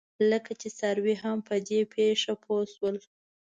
لکه چې څاروي هم په دې پېښه پوه شول.